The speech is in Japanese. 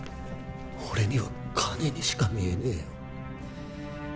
俺には金にしか見えねえよ